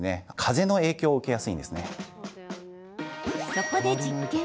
そこで実験。